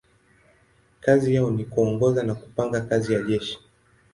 Kazi yao ni kuongoza na kupanga kazi ya jeshi.